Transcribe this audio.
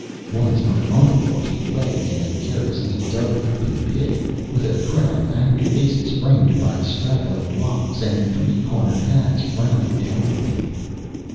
Once my uncle thought he lay in a carelessly dug open pit, with a crowd of angry faces framed by straggling locks and three cornered hats frowning down on him.